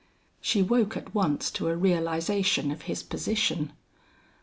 She woke at once to a realization of his position.